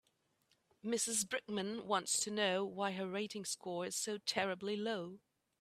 Mrs Brickman wants to know why her rating score is so terribly low.